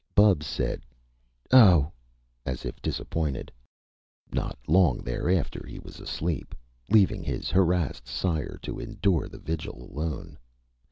Bubs said "Oh," as if disappointed. Not long thereafter he was asleep, leaving his harrassed sire to endure the vigil alone.